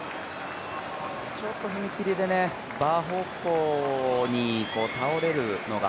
ちょっと踏み切りでバー方向に倒れるかのが